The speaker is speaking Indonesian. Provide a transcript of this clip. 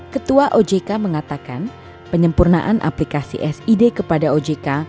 ketua ojk mengatakan penyempurnaan aplikasi sid kepada ojk